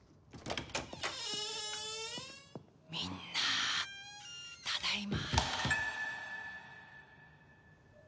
みんなただいま。